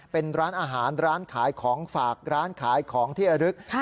เป็นร้านอาหารร้านขายของฝากร้านขายของที่ระลึก